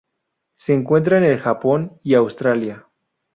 Se encuentra en el Japón y Australia.